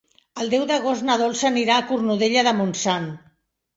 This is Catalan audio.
El deu d'agost na Dolça anirà a Cornudella de Montsant.